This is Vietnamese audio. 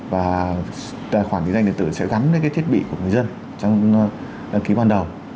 và tài khoản định danh điện tử sẽ gắn với cái thiết bị của người dân trong đăng ký ban đầu